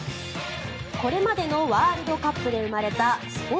これまでのワールドカップで生まれたスポ